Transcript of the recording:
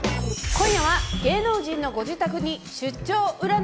今夜は芸能人のご自宅に出張占い